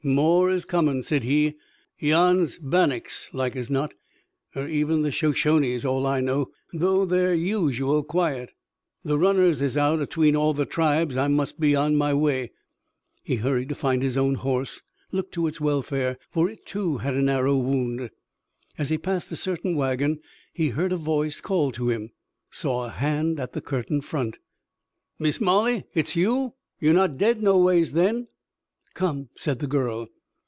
"More is comin'," said he. "Yan's Bannack's like as not, er even the Shoshones, all I know, though they're usual quiet. The runners is out atween all the tribes. I must be on my way." He hurried to find his own horse, looked to its welfare, for it, too, had an arrow wound. As he passed a certain wagon he heard a voice call to him, saw a hand at the curtained front. "Miss Molly! Hit's you! Ye're not dead no ways, then?" "Come," said the girl.